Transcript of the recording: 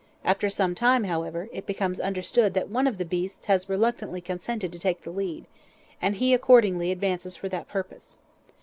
After some time, however, it becomes understood that one of the beasts has reluctantly consented to take the lead, and he accordingly advances for that purpose.